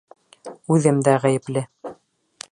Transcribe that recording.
Үҙем дә ғәйепле.